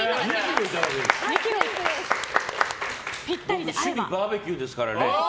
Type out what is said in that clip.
僕、趣味バーベキューですからね。